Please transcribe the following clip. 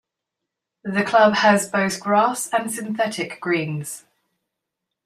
The club has both grass and synthetic greens.